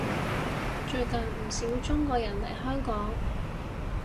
最近唔少中國人嚟香港